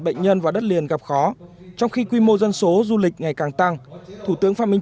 bệnh nhân vào đất liền gặp khó trong khi quy mô dân số du lịch ngày càng tăng thủ tướng phạm minh